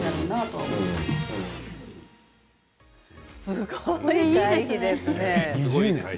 すごい会議ですね。